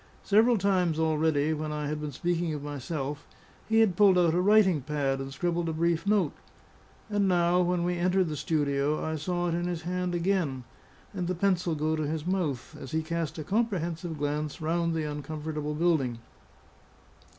Several times already, when I had been speaking of myself, he had pulled out a writing pad and scribbled a brief note; and now, when we entered the studio, I saw it in his hand again, and the pencil go to his mouth, as he cast a comprehensive glance round the uncomfortable building.